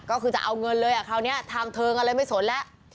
ก็คือจะเอาเงินเลยอ่ะคราวนี้ทางเทิงอะไรไม่สนแล้ว